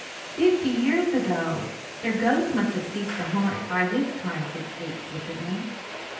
"Fifty years ago! Their ghosts must have ceased to haunt it by this time," said Kate flippantly.